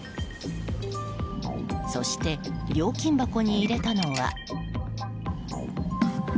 そして、料金箱に入れたのは。